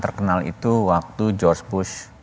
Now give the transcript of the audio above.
terkenal itu waktu george push